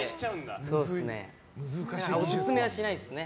オススメはしないですね。